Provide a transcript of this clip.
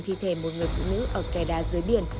thi thể một người phụ nữ ở kẻ đá dưới biển